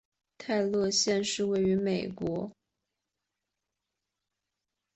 泰勒县是位于美国威斯康辛州中北部的一个县。